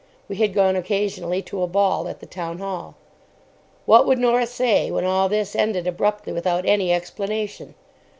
We had gone occasionally to a ball at the Town Hall. What would Norah say when all this ended abruptly without any explanation?